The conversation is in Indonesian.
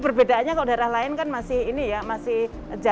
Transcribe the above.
berbedanya opinananyak mesin